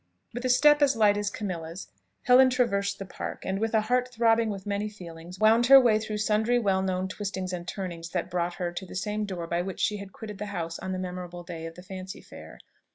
With a step as light as Camilla's, Helen traversed the Park, and, with a heart throbbing with many feelings, wound her way through sundry well known twistings and turnings that brought her to the same door by which she had quitted the house on the memorable day of the Fancy Fair.